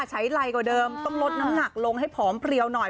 ไรกว่าเดิมต้องลดน้ำหนักลงให้ผอมเพลียวหน่อย